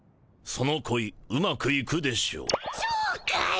そうかい！